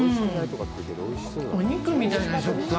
お肉みたいな食感。